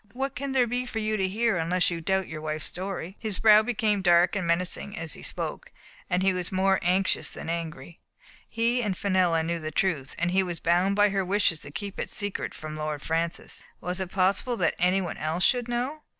What can there be for you to hear, unless you doubt your wife's story?" His brow became dark and menacing as he spoke, but he was more anxious than angry. He and Fenella knew the truth, and he was bound by her wishes to keep it secret from Lord Francis ; was it possible that anyone else should know?